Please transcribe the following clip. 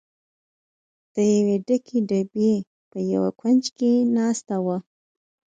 د یوې ډکې ډبې په یوه کونج کې ناست و.